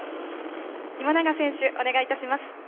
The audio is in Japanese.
今永選手、お願いいたします。